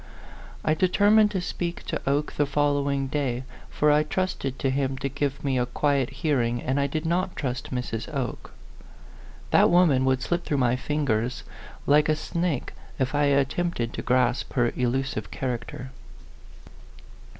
I determined to speak to Oke the following day, for I trusted him to give me a quiet hearing, and I did not trust Mrs. Oke. That woman would slip through my fingers like 118 A PHANTOM LOVER\ a snake if I attempted to grasp her elusive character.